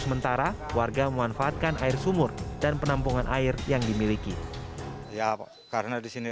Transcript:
sementara warga memanfaatkan air sumur dan penampungan air yang dimiliki ya karena di sini